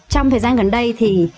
trong thời gian gần đây